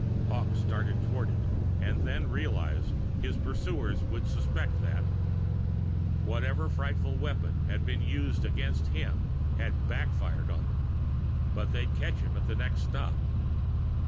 Hawkes started toward it, and then realized his pursuers would suspect that. Whatever frightful weapon had been used against him had back fired on them but they'd catch him at the next stop.